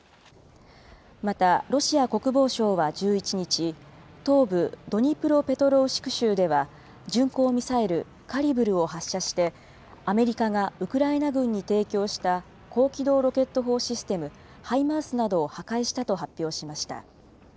またロシア国防省は１１日、東部ドニプロペトロウシク州では巡航ミサイル、カリブルを発射して、アメリカがウクライナ軍に提供した高機動ロケット砲システム・ハイマースなどを破壊したと発表しました。